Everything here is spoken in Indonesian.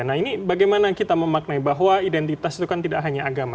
nah ini bagaimana kita memaknai bahwa identitas itu kan tidak hanya agama